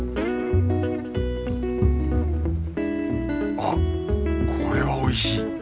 あっこれはおいしい。